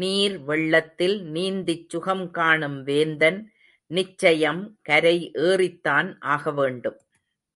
நீர் வெள்ளத்தில் நீந்திச் சுகம் காணும் வேந்தன் நிச்சயம் கரை ஏறித்தான் ஆகவேண்டும்.